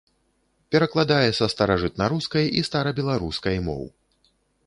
Перакладае са старажытнарускай і старабеларускай моў.